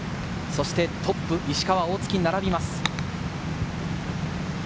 そしてトップ・石川、大槻に並びます。